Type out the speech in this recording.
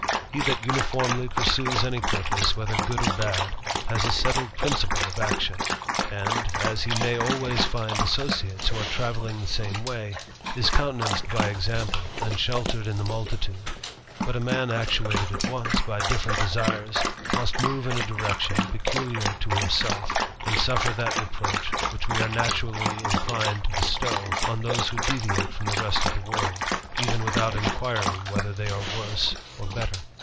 He that uniformly pursues any purpose, whether good or bad, has a settled principle of action ; and, as he may always find associates who are travelling the way, is countenanced by example, and sheltered in the multitude ; but a man actuated at once by different desires must move in a direction peculiar to himself, and suffer reproach which we are naturally inclined to bestow on th< who deviate from the rest of the world, even withoi inquiring whether they are worse or better.